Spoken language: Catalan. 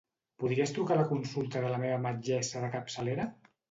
Podries trucar a la consulta de la meva metgessa de capçalera?